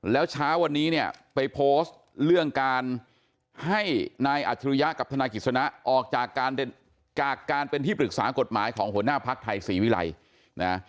แล้วเช้าวันนี้เนี่ยไปโพสต์เรื่องการให้นายอัจฉริยะกับธนายกิจสนะออกจากการจากการเป็นที่ปรึกษากฎหมายของหัวหน้าภักดิ์ไทยศรีวิรัยนะ